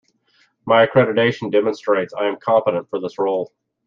My accreditation demonstrates I am competent for this role.